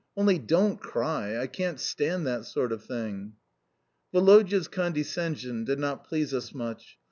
Only, DON'T cry; I can't stand that sort of thing." Woloda's condescension did not please us much.